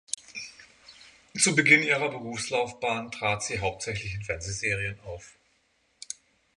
Zu Beginn ihrer Berufslaufbahn trat sie hauptsächlich in Fernsehserien auf.